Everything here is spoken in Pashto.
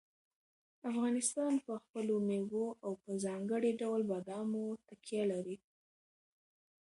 افغانستان په خپلو مېوو او په ځانګړي ډول بادامو تکیه لري.